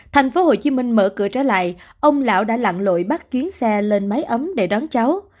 thành phố hồ chí minh mở cửa trở lại ông lão đã lặn lội bắt chuyến xe lên máy ấm để đón cháu